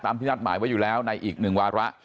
ที่นัดหมายไว้อยู่แล้วในอีกหนึ่งวาระ